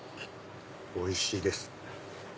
おいしいです。